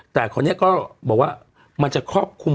แต่คนนี้ก็บอกว่ามันจะครอบคลุม